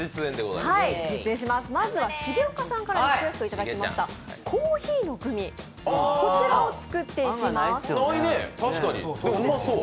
まずは、重岡さんからリクエストをいただきましたコーヒーのグミを作っていきます。